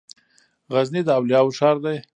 غزنی د اولیاوو ښار دی.